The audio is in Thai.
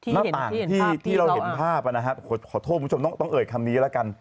หน้าต่างที่เราเห็นภาพนะครับขอโทษคุณผู้ชมต้องเอ่ยคำนี้แล้วกัน